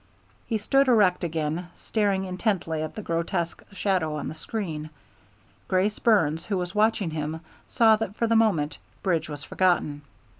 He stood erect again, staring intently at the grotesque shadows on the screen. Grace Burns, who was watching him, saw that for the moment Bridge was forgotten.